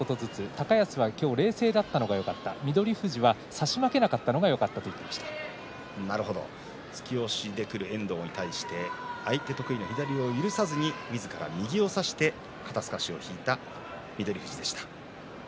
高安は今日は冷静だったのがよかった、翠富士は差し負けなかったのがよかった突き押しでくる遠藤に対して左を許さずみずから右を差して肩すかし翠富士でした。